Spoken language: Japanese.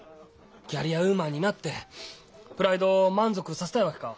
キャリアウーマンになってプライドを満足させたいわけか？